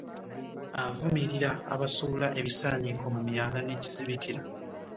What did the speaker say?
Avumirira abasuula ebisaaniiko mu myala ne gizibikira.